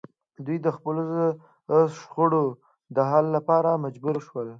دوی د خپلو شخړو د حل لپاره مجبور شول